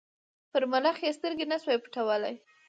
پر ملخ یې سترګي نه سوای پټولای